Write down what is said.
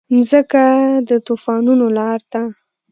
مځکه د طوفانونو لاره ده.